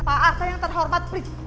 pak arta yang terhormat